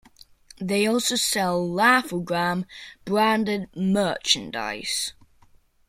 They also sell Laugh-O-Gram branded merchandise.